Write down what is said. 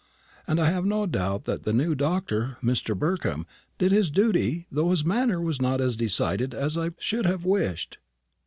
And I have no doubt that the new doctor, Mr. Burkham, did his duty, though his manner was not as decided as I should have wished."